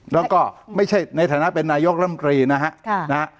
แล้วก็ไม่ใช่ในฐานะเป็นนายกรรมกรีนะฮะ